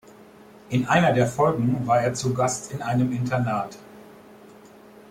In einer der Folgen war er zu Gast in einem Internat.